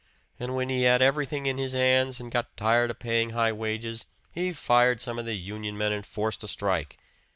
And when he had everything in his hands, and got tired of paying high wages, he fired some of the union men and forced a strike.